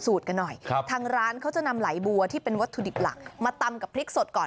กันหน่อยครับทางร้านเขาจะนำไหลบัวที่เป็นวัตถุดิบหลักมาตำกับพริกสดก่อน